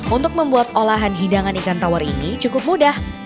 untuk membuat olahan hidangan ikan tawar ini cukup mudah